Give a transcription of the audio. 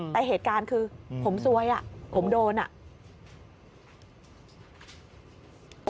แต่เหตุการณ์คือผมซวยผมโดน